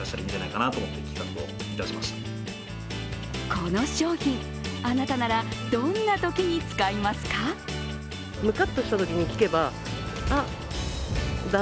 この商品あなたならどんなときに使いますか。